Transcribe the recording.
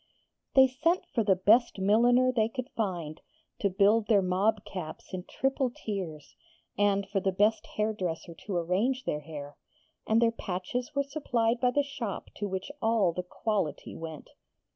They sent for the best milliner they could find, to build their mob caps in triple tiers; and for the best hairdresser to arrange their hair; and their patches were supplied by the shop to which all the Quality went.